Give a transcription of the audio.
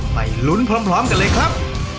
ไปลุ้นพร้อมกันเลยครับ